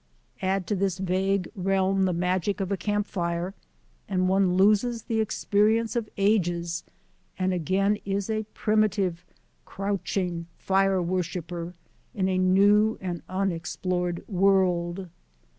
Add to this vague realm the magic of a camp fire, and one loses the experience of ages and again is a primitive, crouching fire worshipper in a new and unexplored world.